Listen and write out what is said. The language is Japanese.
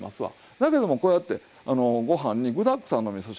だけどもこうやってご飯に具だくさんのみそ汁。